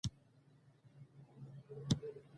زه ډیر ډاریږم چې د خرابې غوښې څخه ناروغه شم.